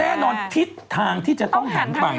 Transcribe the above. แน่นอนทิศทางที่จะต้องหันไป